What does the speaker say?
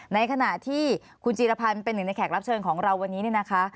ในขณะที่คุณจีรพันธ์เป็นหนึ่งในแขกรับเชิญของเราวันนี้เนี่ยนะคะ